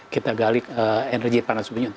kita galik energi panas bumi untuk itu